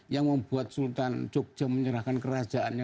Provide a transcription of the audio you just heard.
yang membuat sultan jogja menyerahkan kerajaannya